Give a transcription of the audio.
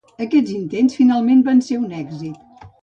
Aquests intents finalment van ser un èxit.